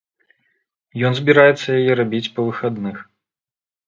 Ён збіраецца яе рабіць па выхадных.